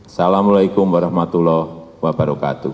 assalamu'alaikum warahmatullahi wabarakatuh